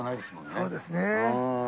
そうですね。